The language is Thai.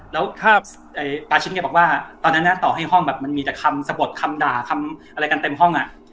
แล้วปาชิดแกบอกว่าตอนนั้นต่อให้ห้องแบบมันมีแต่คำสะบดคำด่าคำอะไรกันเต็มห้อง